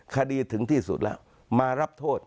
คดีถึงที่สุดแล้วมารับโทษ